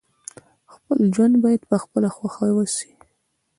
خپل ژوند باید په خپله خوښه وسي.